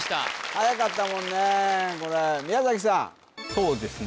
はやかったもんねこれ宮さんそうですね